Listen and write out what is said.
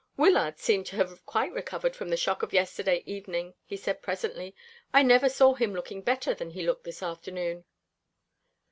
"Wyllard seemed to have quite recovered from the shock of yesterday evening," he said presently. "I never saw him looking better than he looked this afternoon."